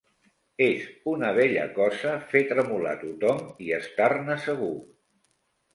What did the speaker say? És una bella cosa fer tremolar tothom i estar-ne segur!